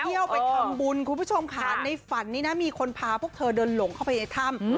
เที่ยวไปทำบุญคุณผู้ชมค่ะในฝันนี้นะมีคนพาพวกเธอเดินหลงเข้าไปในถ้ำ